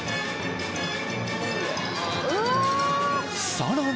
［さらに］